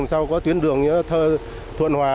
sao có tuyến đường thuận hòa